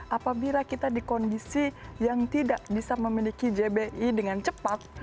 apabila kita di kondisi yang tidak bisa memiliki jbi dengan cepat